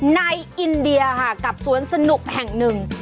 อินเดียค่ะกับสวนสนุกแห่งหนึ่ง